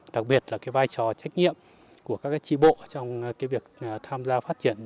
đặc biệt là vai trò trách nhiệm của các tri bộ trong việc tham gia phát triển